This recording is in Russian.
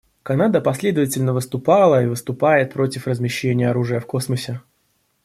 Канада последовательно выступала и выступает против размещения оружия в космосе.